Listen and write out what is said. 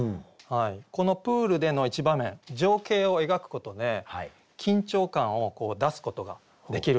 このプールでの一場面情景を描くことで緊張感を出すことができるんですね。